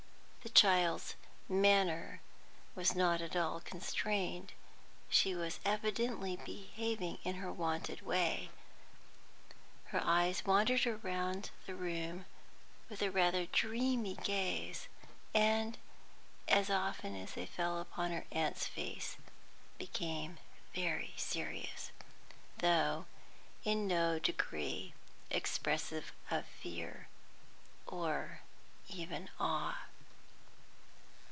The child's manner was not at all constrained; she was evidently behaving in her wonted way. Her eyes wandered about the room with rather a dreamy gaze, and, as often as they fell upon her aunt's face, became very serious, though in no degree expressive of fear or even awe.